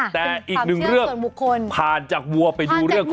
แต่อีกหนึ่งเรื่องส่วนบุคคลผ่านจากวัวไปดูเรื่องของ